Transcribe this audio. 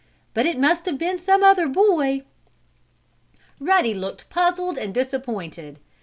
But it must have been some other boy." Ruddy looked puzzled and disappointed.